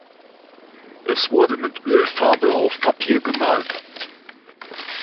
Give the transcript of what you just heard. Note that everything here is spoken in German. Es wurde mit Ölfarbe auf Papier gemalt.